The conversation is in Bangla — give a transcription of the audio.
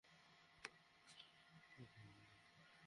সাথে সাথে তিনি অবশিষ্ট মুসলমানদের নিয়ে গতিপথ পরিবর্তন করেন।